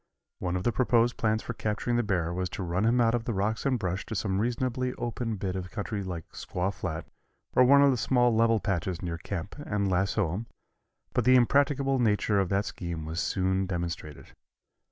One of the proposed plans for capturing the bear was to run him out of the rocks and brush to some reasonably open bit of country like Squaw Flat or one of the small level patches near camp and lasso him, but the impracticable nature of that scheme was soon demonstrated.